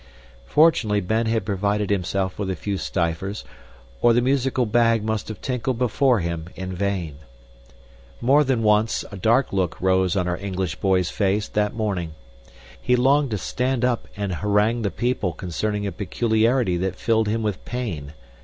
Fortunately Ben had provided himself with a few stivers, or the musical bag must have tinkled before him in vain. More than once, a dark look rose on our English boy's face that morning. He longed to stand up and harangue the people concerning a peculiarity that filled him with pain.